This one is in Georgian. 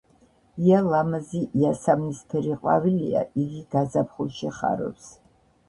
ია ლამაზი იასამისფერი ყვავილა იგი გაზაფხულში ხარობს